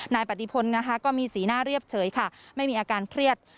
นายปฏิพลนะคะก็มีสีหน้าเรียบเฉยค่ะไม่มีอาการเครียด